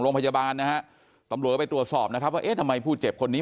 โรงพยาบาลนะฮะตำรวจก็ไปตรวจสอบนะครับว่าเอ๊ะทำไมผู้เจ็บคนนี้